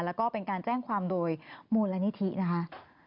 แล้วก็เป็นการแจ้งความโดยมูลนิธินะคะ